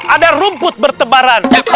ada rumput bertebaran